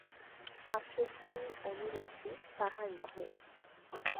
আসক্তি-অনুরক্তি তাহার নহে।